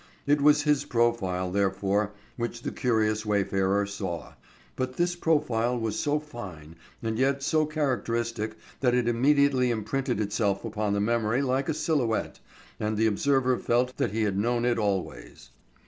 It was his profile, therefore, which the curious wayfarer saw, but this profile was so fine and yet so characteristic that it immediately imprinted itself upon the memory like a silhouette and the observer felt that he had known it always.